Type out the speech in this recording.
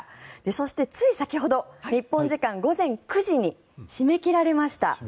そして、つい先ほど日本時間午前９時に締め切られました。